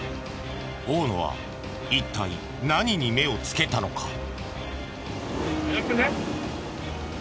大野は一体何に目をつけたのか？